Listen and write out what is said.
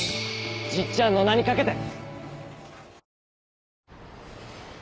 じっちゃんの名にかけて！